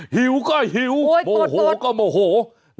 หิวก็หิวโมโหก็โมโหโตดโตด